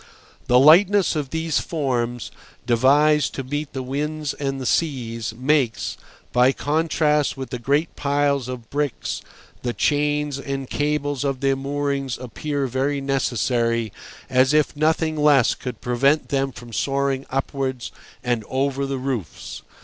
The lightness of these forms, devised to meet the winds and the seas, makes, by contrast with the great piles of bricks, the chains and cables of their moorings appear very necessary, as if nothing less could prevent them from soaring upwards and over the roofs.